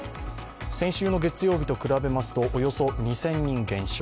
先週の月曜日と比べますとおよそ２０００人減少。